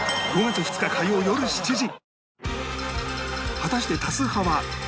果たして多数派は牛丼か？